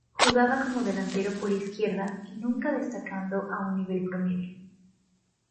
Jugaba como Delantero por izquierda y nunca destacando a un nivel promedio.